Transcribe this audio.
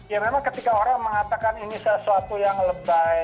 ya memang ketika orang mengatakan ini sesuatu yang lebay